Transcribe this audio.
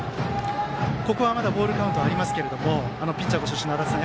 ここはまだボールカウントはありますがピッチャーご出身の足達さん。